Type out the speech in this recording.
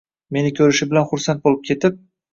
Meni ko’rishi bilan xursand bo’lib ketib: